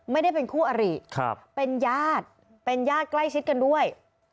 ไม่ได้เป็นคู่อริเป็นญาติเป็นญาติใกล้ชิดกันด้วย